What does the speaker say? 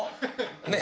ねえ。